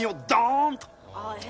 え。